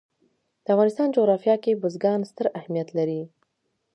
د افغانستان جغرافیه کې بزګان ستر اهمیت لري.